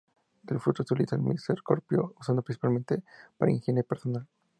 Del fruto se utiliza el mesocarpio, usado principalmente para higiene personal.